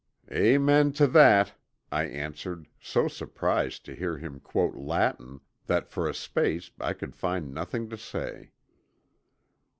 '" "Amen to that," I answered so surprised to hear him quote Latin that for a space I could find nothing to say.